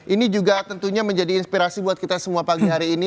ini juga tentunya menjadi inspirasi buat kita semua pagi hari ini